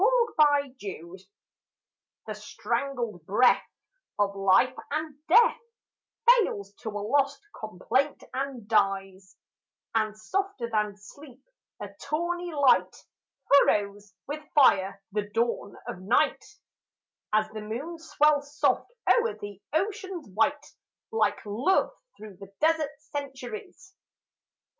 55 EVENING \ THE strangled breath Of life and death Fails to a lost complaint and dies, And softer than sleep a tawny light Furrows with fire the dawn of night As the moon swells soft o'er the ocean's white Like love through the desert centuries.